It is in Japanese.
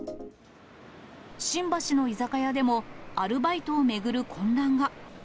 新橋の居酒屋でも、アルバイトを巡る混乱が。